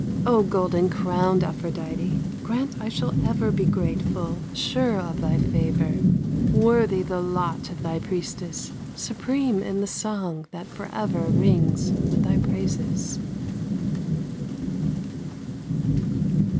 O golden crowned Aphrodite, Grant I shall ever be grateful, Sure of thy favor; Worthy the lot of thy priestess, Supreme in the song that forever Rings with thy praises.